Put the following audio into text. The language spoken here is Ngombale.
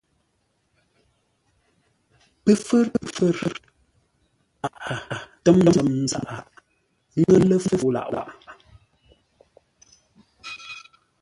Pəfə̌r pəfə̌r, paghʼə tə́m nzəm zaghʼə ńŋə́ lə fou lâʼ waghʼə.